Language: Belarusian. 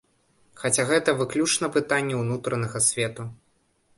Хаця гэта выключна пытанні ўнутранага свету.